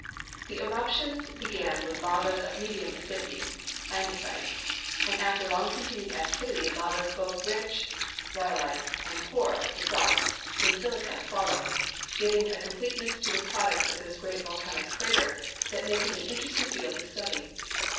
The eruptions began with lavas of medium acidity (andesites), and after long continued activity lavas both rich (rhyolites) and poor (basalts) in silica follow, giving a com pleteness to the products of this great volcanic center that make it an interesting field of study.